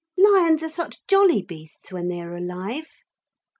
'Lions are such jolly beasts when they are alive.'